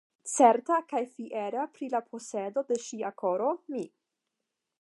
Certa kaj fiera pri la posedo de ŝia koro, mi.